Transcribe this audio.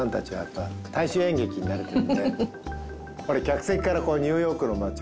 客席からニューヨークの町を。